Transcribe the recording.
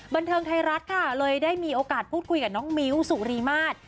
บันเทิงไทยรัฐค่ะเลยได้มีโอกาสพูดคุยกับน้องมิ้วสุรีมาตร